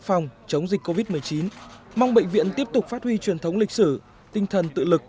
phòng chống dịch covid một mươi chín mong bệnh viện tiếp tục phát huy truyền thống lịch sử tinh thần tự lực